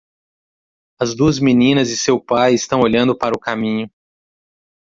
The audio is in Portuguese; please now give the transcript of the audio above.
As duas meninas e seu pai estão olhando para o caminho.